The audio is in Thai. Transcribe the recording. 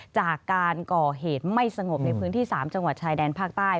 จากการก่อเหตุไม่สงบในพื้นที่๓จังหวัดชายแดนภาคใต้